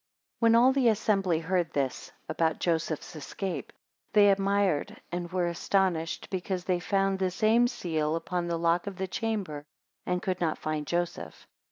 WHEN all the assembly heard this (about Joseph's escape), they admired and were astonished, because they found the same seal upon the lock of the chamber, and could not find Joseph.